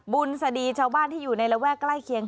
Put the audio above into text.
สดีชาวบ้านที่อยู่ในระแวกใกล้เคียง